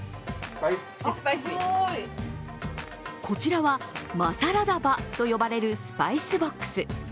こちらはマサラダバと呼ばれるスパイスボックス。